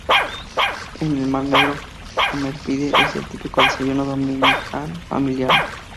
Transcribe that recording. En el Mar Negro, comer pide es el típico desayuno dominical familiar.